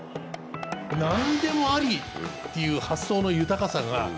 何でもありっていう発想の豊かさが。